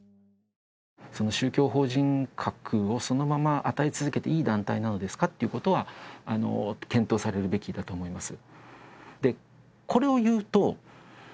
宗教法人格をそのまま与え続けていい団体なのですかということは検討されるべきだと思います。